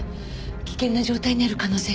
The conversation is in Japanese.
危険な状態にある可能性があります。